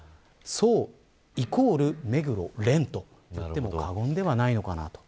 想イコール目黒蓮といっても過言ではないのかなと。